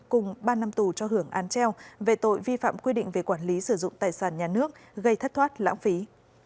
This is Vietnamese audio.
cùng ba năm tù cho hưởng án treo về tội vi phạm quy định về quản lý sử dụng tài sản nhà nước gây thất thoát lãng phí